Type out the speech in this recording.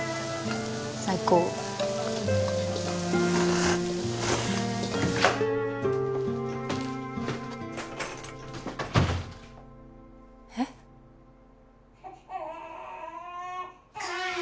最高えっ海